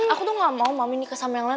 aku tuh gak mau mami nikah sama yang lain